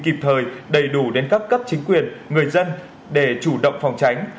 kịp thời đầy đủ đến các cấp chính quyền người dân để chủ động phòng tránh